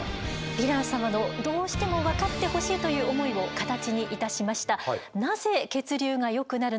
ヴィラン様のどうしても分かってほしいという思いを形にいたしました。